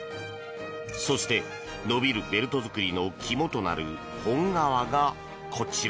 そして、伸びるベルト作りの肝となる本革が、こちら。